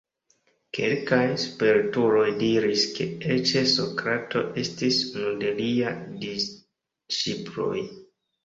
Kelkaj spertuloj diris ke eĉ Sokrato estis unu de liaj disĉiploj.